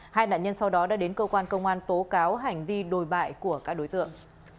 hai nạn nhân sau đó đã đến cơ quan công an tố cáo hành vi đồi bại của các đối tượng